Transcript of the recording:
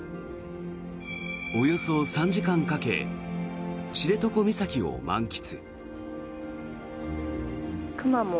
およそ３時間かけ知床岬を満喫。